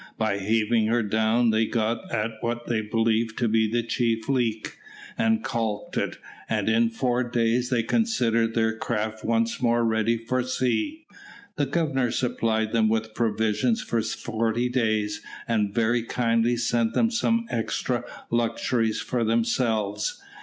By heaving her down they got at what they believed to be the chief leak, and caulked it, and in four days they considered their craft once more ready for sea. The Governor supplied them with provisions for forty days, and very kindly sent them some extra luxuries for themselves.